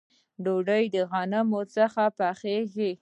ډوډۍ د غنمو څخه پخیږي